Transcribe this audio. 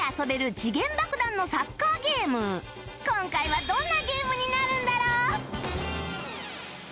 今回はどんなゲームになるんだろう？